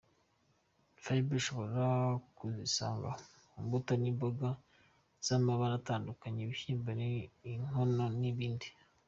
Fibre ushobora kuzisanga mu mbuto n’imboga z’amabara atandukanye, ibishyimbo, ingano n’ibindi.